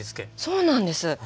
そうなんです。